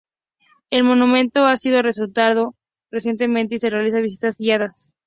El monumento ha sido restaurado recientemente y se realizan visitas guiadas.